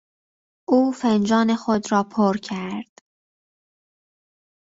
او فنجان خود را پر کرد.